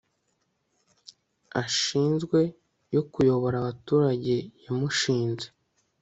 ashinzwe yo kuyobora abaturage yamushinze